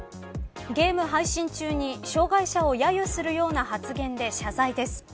ゲーム配信中に障害者をやゆするような発言で謝罪です。